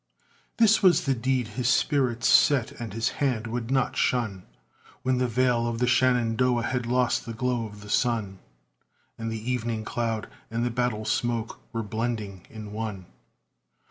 This was the deed his spirit set and his hand would not shun, When the vale of the Shenandoah had lost the glow of the sun, And the evening cloud and the battle smoke were blending in one.